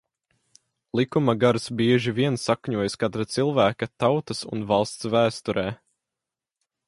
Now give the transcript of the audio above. Likuma gars bieži vien sakņojas katra cilvēka, tautas un valsts vēsturē.